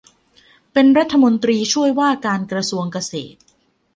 เป็นรัฐมนตรีช่วยว่าการกระทรวงเกษตร